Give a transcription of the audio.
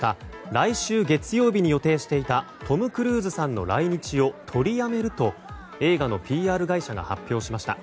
来週月曜日に予定していたトム・クルーズさんの来日を取りやめると映画のＰＲ会社が発表しました。